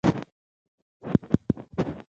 شهسوار وخندل: شهسوارخان له خپلې خبرې نه اوړي.